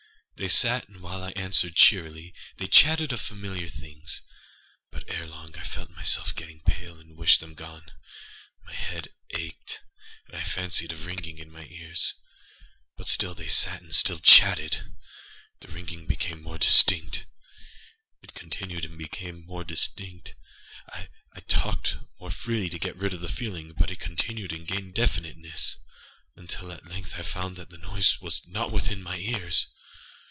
They sat, and while I answered cheerily, they chatted of familiar things. But, ere long, I felt myself getting pale and wished them gone. My head ached, and I fancied a ringing in my ears: but still they sat and still chatted. The ringing became more distinct:âit continued and became more distinct: I talked more freely to get rid of the feeling: but it continued and gained definitenessâuntil, at length, I found that the noise was not within my ears.